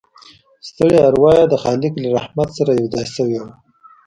ستړې اروا يې د خالق له رحمت سره یوځای شوې وه